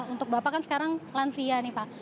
untuk bapak kan sekarang lansia nih pak